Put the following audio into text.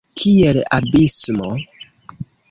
Kiel abismo!